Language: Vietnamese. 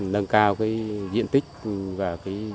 nâng cao diện tích và